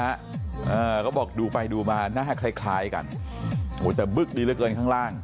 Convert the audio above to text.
อ่าเขาบอกดูไปดูมาหน้าคล้ายคล้ายกันโหแต่บึ๊กดีเหลือเกินข้างล่าง